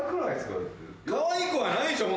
かわいくはないでしょ。